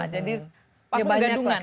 jadi parfum gandungan